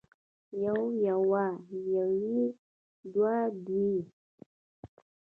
يو يوه يوې دوه دوې